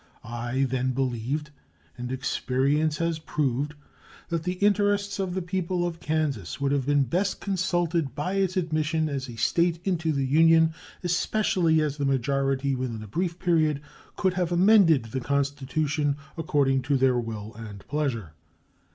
I then believed, and experience has proved, that the interests of the people of Kansas would have been best consulted by its admission as a State into the Union, especially as the majority within a brief period could have amended the constitution according to their will and pleasure.